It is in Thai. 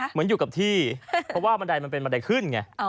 เหมือนอยู่กับที่เพราะว่ามันเป็นมันใดขึ้นไง